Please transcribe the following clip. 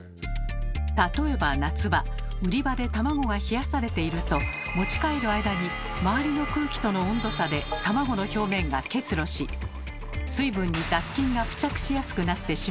例えば夏場売り場で卵が冷やされていると持ち帰る間に周りの空気との温度差で卵の表面が結露し水分に雑菌が付着しやすくなってしまうのです。